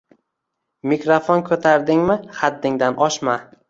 mikrofon koʻtardingmi, haddingdan oshma.